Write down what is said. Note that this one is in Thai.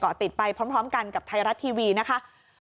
ติดไปพร้อมกันกับไทยรัฐทีวีนะคะ